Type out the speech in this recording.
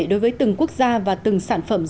đối với từng quốc gia và từng sản phẩm